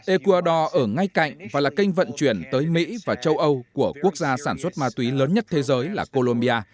ecuador ở ngay cạnh và là kênh vận chuyển tới mỹ và châu âu của quốc gia sản xuất ma túy lớn nhất thế giới là colombia